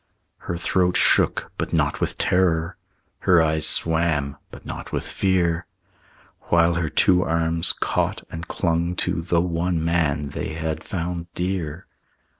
Her throat shook, but not with terror; Her eyes swam, but not with fear; While her two hands caught and clung to The one man they had found dear.